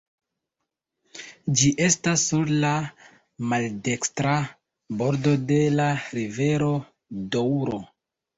Ĝi estas sur la maldekstra bordo de la rivero Doŭro.